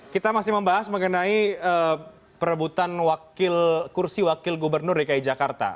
kita masih membahas mengenai perebutan kursi wakil gubernur dki jakarta